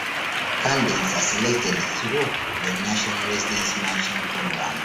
Candidates are selected through the National Residency Matching Program.